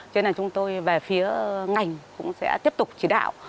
cho nên chúng tôi về phía ngành cũng sẽ tiếp tục chỉ đạo